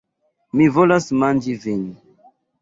Mi volas manĝi vin!